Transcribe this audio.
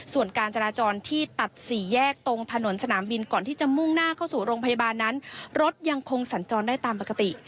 ส่วนการจราจรที่ตัดสี่แยกตรงถนนสนามบินก่อนที่จะมุ่งหน้าเข้าสู่โรงพยาบาลนั้นรถยังคงสัญจรได้ตามปกติ